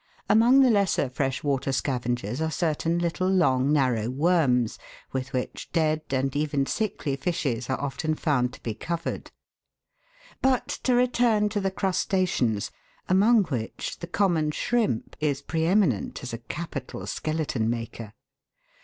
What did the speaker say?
Among the lesser fresh water scavengers are certain little long, narrow worms, with which dead, and even sickly fishes are often found to be covered. But to return to the crustaceans, among which the common shrimp (Fig. 48) is pre eminent as a "capital skeleton Fig. 48. THE COMMON BROWN SHRIMP. maker."